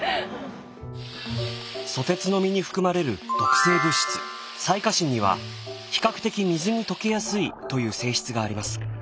ソテツの実に含まれる毒性物質サイカシンには比較的水に溶けやすいという性質があります。